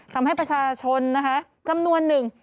ทำให้ประชาชนนะคะจำนวนหนึ่ง